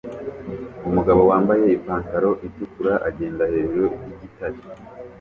Umugabo wambaye ipantaro itukura agenda hejuru yigitare